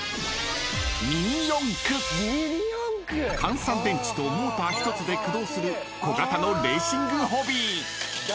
［単３電池とモーター１つで駆動する小型のレーシングホビー］